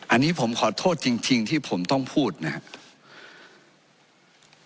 อันนี้ผมขอโทษจริงที่ผมต้องพูดนะครับ